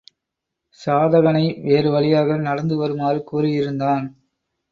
சாதகனை வேறு வழியாக நடந்து வருமாறு கூறியிருந்தான்.